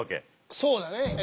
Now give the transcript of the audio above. そうだね。